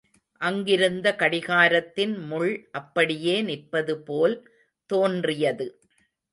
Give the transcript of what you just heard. அங்கிருந்த கடிகாரத்தின் முள் அப்படியே நிற்பதுபோல் தோன்றியது.